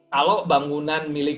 kalau bangunan milik